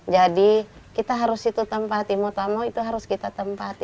jadi kita harus itu tempat mau tahu mau itu harus kita tempat